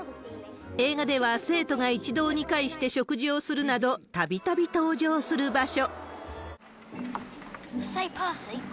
映画では、生徒が一堂に会して食事をするなど、たびたび登場する場所。